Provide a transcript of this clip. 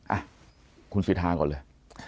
อ่ะคุณสิทธาก่อนเลย